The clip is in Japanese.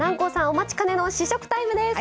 お待ちかねの試食タイムです！